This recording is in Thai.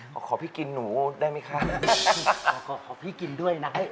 ขอขอพี่กินหนูได้ไหมคะขอพี่กินด้วยนะ